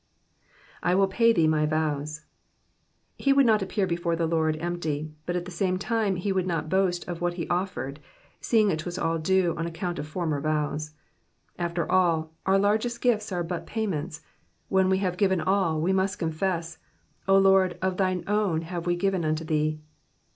/ toUl pay thee my vows."*^ He would not appear before the Lord empty, but at the same time he would not boast of what he offered, seeing it was all due on account of former vows. After all, our largest gifts are but payments ; when we have given all, we must confess, '* O Lord, of thine own have we given unto thee."